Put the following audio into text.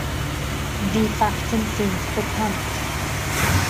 Die Fakten sind bekannt.